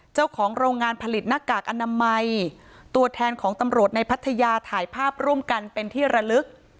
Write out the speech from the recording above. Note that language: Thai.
เจ้าของโรงงานผลิตหน้ากากอนามัยตัวแทนของตำรวจในพัทยาถ่ายภาพร่วมกันเป็นที่ระลึก